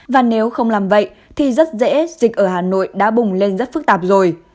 và nếu không làm vậy thì rất dễ dịch ở hà nội đã bùng lên rất phức tạp rồi